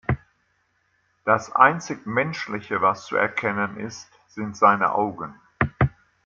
Das einzig Menschliche, was zu erkennen ist, sind seine Augen.